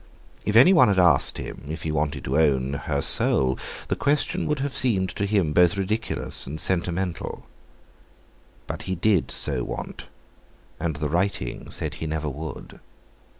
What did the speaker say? If any one had asked him if he wanted to own her soul, the question would have seemed to him both ridiculous and sentimental. But he did so want, and the writing said he never would.